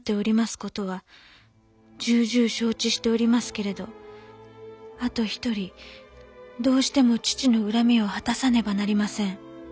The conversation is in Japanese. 事は重々承知しておりますけれどあと一人どうしても父の恨みを果たさねばなりません。